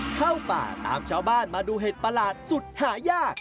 เข้าป่าตามชาวบ้านมาดูเห็ดประหลาดสุดหายาก